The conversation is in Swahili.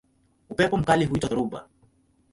Upepo mkali huitwa dhoruba.